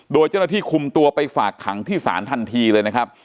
โดยเจ้าหน้าที่คุมตัวไปฝากขังที่ศาลทันทีเลยนะครับ